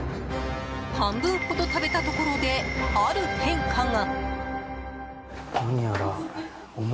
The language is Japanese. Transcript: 半分ほど食べたところである変化が。